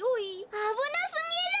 あぶなすぎる！